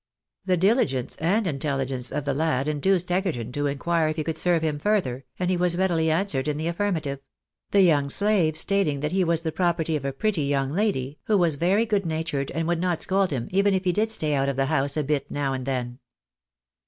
The diligence and inteUigence of the lad induced Egerton to inquire if he could serve him further, and he was readily answered in the affirmative ; the young slave stating that ha was the property V THE BAKNABYS IN AMEMCA. of a pretty young lady, who was very good natured and would not scold liim, even if he did stay out of the house a bit ncv/ and then.